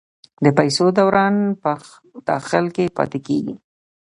د پیسو دوران په داخل کې پاتې کیږي؟